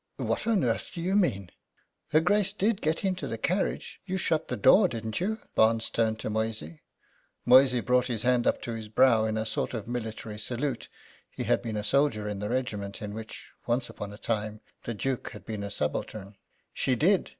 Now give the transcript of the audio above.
"What on earth do you mean?" "Her Grace did get into the carriage; you shut the door, didn't you?" Barnes turned to Moysey. Moysey brought his hand up to his brow in a sort of military salute he had been a soldier in the regiment in which, once upon a time, the Duke had been a subaltern: "She did.